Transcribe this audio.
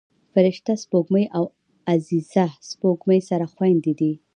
فرشته سپوږمۍ او عزیزه سپوږمۍ سره خویندې دي